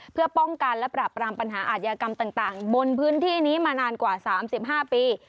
เพื่อป้องกันและปราบรามปัญหาอาทยากรรมต่างบนพื้นที่นี้มานานกว่า๓๕ปี